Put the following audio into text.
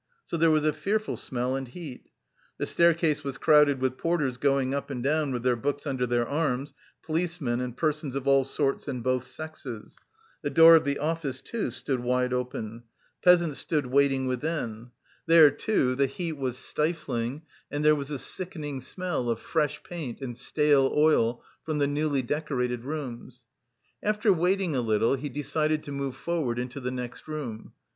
So there was a fearful smell and heat. The staircase was crowded with porters going up and down with their books under their arms, policemen, and persons of all sorts and both sexes. The door of the office, too, stood wide open. Peasants stood waiting within. There, too, the heat was stifling and there was a sickening smell of fresh paint and stale oil from the newly decorated rooms. After waiting a little, he decided to move forward into the next room.